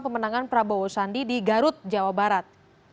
pemenangan prabowo sandi di garut jawa barat